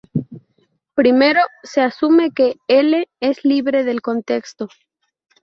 Primero, se asume que L es libre del contexto.